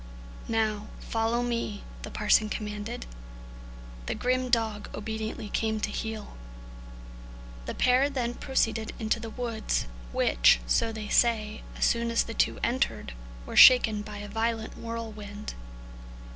"Now, follow me," the parson commanded; the grim dog obediently came to heel. The pair then proceeded into the woods, which, so they say, as soon as the two entered, were shaken by a violent whirlwind.